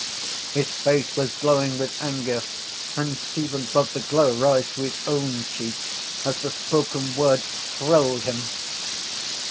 His face was glowing with anger and Stephen felt the glow rise to his own cheek as the spoken words thrilled him.